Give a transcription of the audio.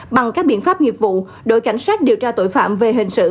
bằng các biện pháp nghiệp vụ đội cảnh sát điều tra tội phạm về hình sự